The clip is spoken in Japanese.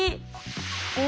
お。